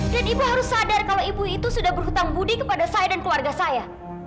dan ibu harus sadar kalau ibu itu sudah berhutang budi kepada saya dan keluarga saya